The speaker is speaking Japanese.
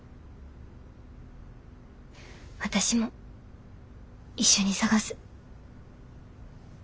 私も一緒に探す。